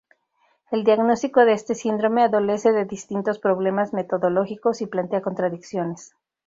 El diagnóstico de este síndrome adolece de distintos problemas metodológicos y plantea contradicciones.